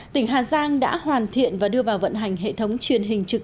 tỉnh hà giang đã hoàn thiện và đưa vào vận hành hệ thống truyền hình trực